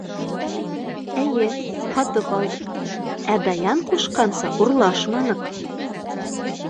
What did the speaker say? Эйе, һатып алдыҡ, ә Даян ҡушҡанса урлашманыҡ.